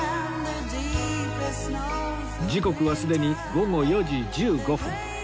時刻はすでに午後４時１５分